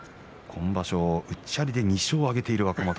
今場所、うっちゃりで２勝挙げている若元